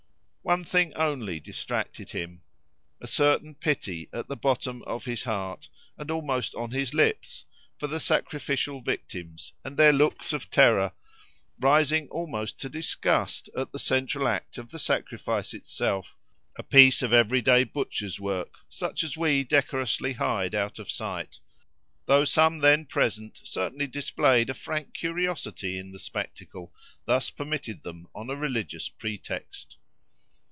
One thing only distracted him—a certain pity at the bottom of his heart, and almost on his lips, for the sacrificial victims and their looks of terror, rising almost to disgust at the central act of the sacrifice itself, a piece of everyday butcher's work, such as we decorously hide out of sight; though some then present certainly displayed a frank curiosity in the spectacle thus permitted them on a religious pretext.